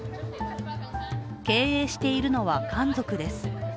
経営しているのは漢族です。